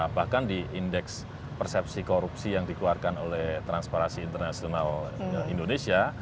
bahkan di indeks persepsi korupsi yang dikeluarkan oleh transparansi internasional indonesia